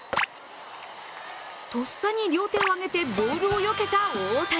とっさに両手を上げてボールをよけた大谷。